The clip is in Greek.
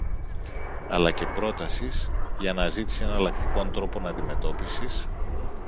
αλλά και πρότασης για αναζήτηση εναλλακτικών τρόπων αντιμετώπισης